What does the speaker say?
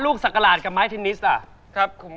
สักกระหลาดกับไม้เทนนิสอ่ะ